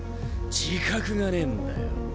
自覚がねえんだよ。